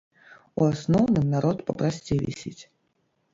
У асноўным народ папрасцей вісіць.